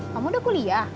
kamu udah kuliah